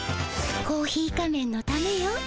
コーヒー仮面のためよ。